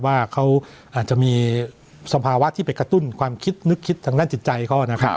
ว่าเขาอาจจะมีสภาวะที่ไปกระตุ้นความคิดนึกคิดทางด้านจิตใจเขานะครับ